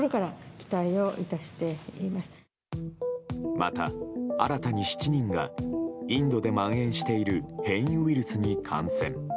また、新たに７人がインドでまん延している変異ウイルスに感染。